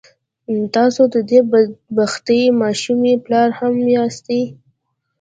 تاسو د دې بد بختې ماشومې پلار هم ياستئ.